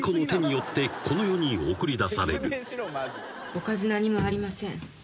「おかず何もありません」